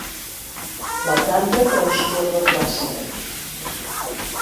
La tarda transcorre plàcida.